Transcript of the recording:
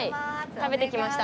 食べてきました。